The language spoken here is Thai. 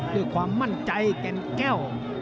ด้วยความมั่นใจแก่นแก้ว